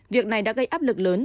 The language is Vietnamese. việc này đã gây áp lực lớn